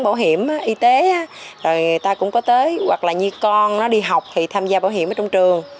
bảo hiểm y tế rồi người ta cũng có tới hoặc là như con nó đi học thì tham gia bảo hiểm ở trong trường